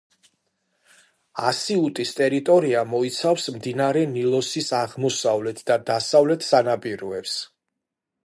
ასიუტის ტერიტორია მოიცავს მდინარე ნილოსის აღმოსავლეთ და დასავლეთ სანაპიროებს.